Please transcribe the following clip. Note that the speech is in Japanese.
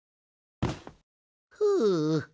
ふう。